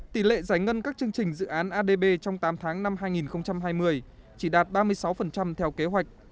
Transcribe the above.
tỷ lệ giải ngân các chương trình dự án adb trong tám tháng năm hai nghìn hai mươi chỉ đạt ba mươi sáu theo kế hoạch